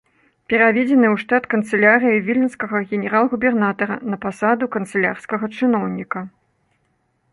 Пераведзены ў штат канцылярыі віленскага генерал-губернатара на пасаду канцылярскага чыноўніка.